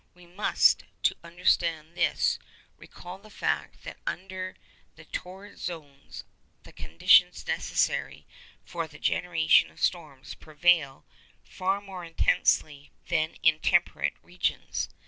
We must, to understand this, recall the fact that under the torrid zones the conditions necessary for the generation of storms prevail far more intensely than in temperate regions.